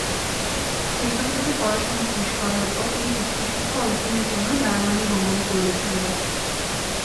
সেখান থেকে পড়াশোনা শেষ করার পর তিনি উচ্চ শিক্ষা অর্জনের জন্য জার্মানি গমন করেছিলেন।